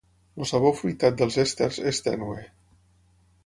El sabor fruitat dels èsters és tènue.